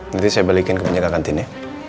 nanti saya balikin ke penjaga kantinnya